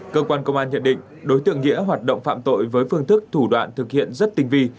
cơ quan công an nhận định đối tượng nghĩa hoạt động phạm tội với phương thức thủ đoạn thực hiện rất tinh vi